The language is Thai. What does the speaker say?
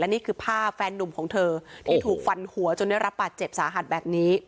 นี่คือภาพแฟนนุ่มของเธอที่ถูกฟันหัวจนได้รับบาดเจ็บสาหัสแบบนี้